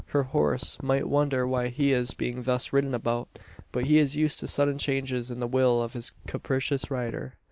Her horse might wonder why he is being thus ridden about; but he is used to sudden changes in the will of his capricious rider.